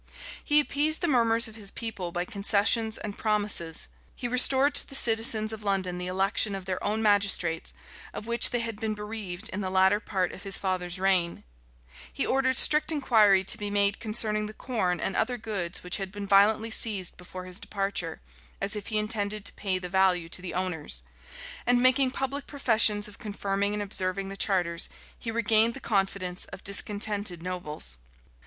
He appeased the murmurs of his people by concessions and promises: he restored to the citizens of London the election of their own magistrates, of which they had been bereaved in the latter part of his father's reign: he ordered strict inquiry to be made concerning the corn and other goods which had been violently seized before his departure, as if he intended to pay the value to the owners:[*] and making public professions of confirming and observing the charters he regained the confidence of the discontented nobles.